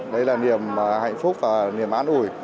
đấy là niềm hạnh phúc và niềm án ủi